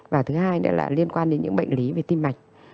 và thứ hai nữa là liên quan đến những bệnh lý về tim mạch